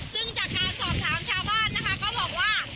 ซึ่งจากการสอบถามชาวบ้านนะคะก็บอกว่า